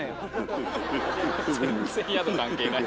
全然宿関係ない。